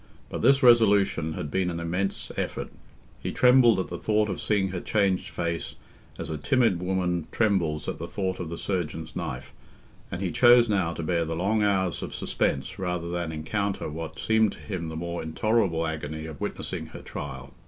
But this resolution had been an immense effort—he trembled at the thought of seeing her changed face, as a timid woman trembles at the thought of the surgeon's knife, and he chose now to bear the long hours of suspense rather than encounter what seemed to him the more intolerable agony of witnessing her trial.